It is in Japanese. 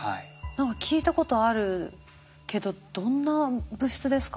何か聞いたことあるけどどんな物質ですか？